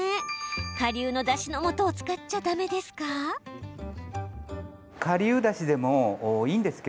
顆粒のだしのもとを使っちゃだめですか？